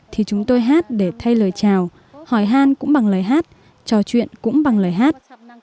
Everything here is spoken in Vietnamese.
thì chúng tôi hát để thay lời chào hỏi han cũng bằng lời hát trò chuyện cũng bằng lời hát